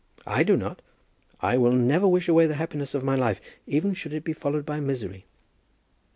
"I do not. I will never wish away the happiness of my life, even should it be followed by misery."